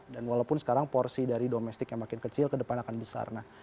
walaupun sekarang porsi dari domestik yang makin kecil ke depan akan besar